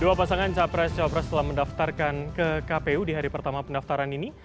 dua pasangan capres capres telah mendaftarkan ke kpu di hari pertama pendaftaran ini